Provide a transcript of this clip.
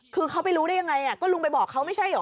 คือเขาไปรู้ได้ยังไงก็ลุงไปบอกเขาไม่ใช่เหรอ